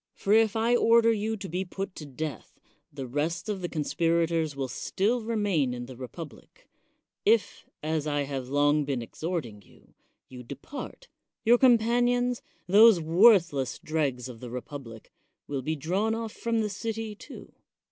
For if I order you to be put to death, the rest of the conspirators will still remain in the republic ; if , as I have long been ex horting you, you depart, your companions, those worthless dregs of the republic, will be drawn off from the city, too.